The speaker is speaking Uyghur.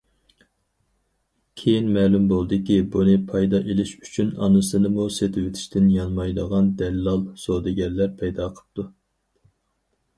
كېيىن مەلۇم بولدىكى، بۇنى پايدا ئېلىش ئۈچۈن ئانىسىنىمۇ سېتىۋېتىشتىن يانمايدىغان دەللال سودىگەرلەر پەيدا قىپتۇ.